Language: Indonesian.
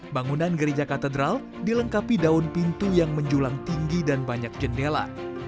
bangunan gereja katedral dilengkapi daun pintu yang menjulang tinggi dan banyak jendela